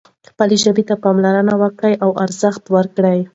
خپلې ژبې ته پاملرنه وکړئ او ارزښت ورکړئ.